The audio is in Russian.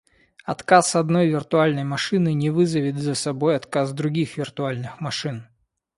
Отказ одной виртуальной машины не вызовет за собой отказ других виртуальных машин